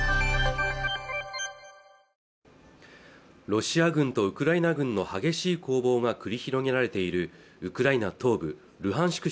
ロシア軍とウクライナ軍の激しい攻防が繰り広げられているウクライナ東部ルハンシク